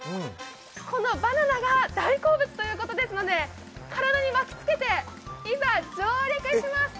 このバナナが大好物ということですので体に巻きつけて、いざ、上陸します。